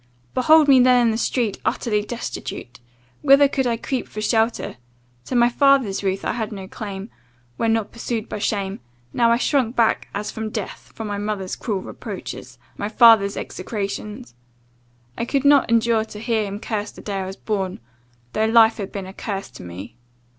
"Behold me then in the street, utterly destitute! Whither could I creep for shelter? To my father's roof I had no claim, when not pursued by shame now I shrunk back as from death, from my mother's cruel reproaches, my father's execrations. I could not endure to hear him curse the day I was born, though life had been a curse to me.